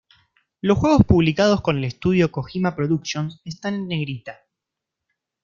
Los juegos publicados con el estudio Kojima Productions están en negrita.